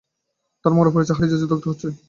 তারা মারা পড়ছে, হারিয়ে যাচ্ছে, দগ্ধ হচ্ছে।